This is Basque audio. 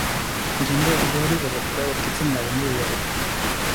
Jende galduari bere burua aurkitzen lagundu diogu.